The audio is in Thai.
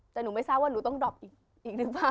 แต่หนูไม่ทราบว่าหนูต้องดรอบอีกหรือเปล่า